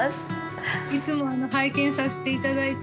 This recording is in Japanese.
いつも拝見させて頂いて。